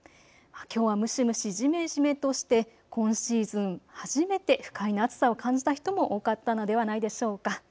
きょうは蒸し蒸しじめじめとして今シーズン初めて不快な暑さを感じた人が多かったんじゃないでしょうか。